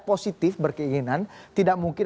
positif berkeinginan tidak mungkin